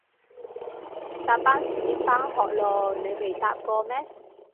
搭巴士返學囉，你未搭過咩？